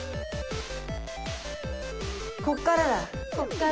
こっからだ。